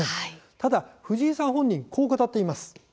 ただ藤井さん本人はこう語っています。